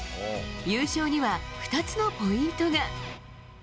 優勝には２つのポイントが。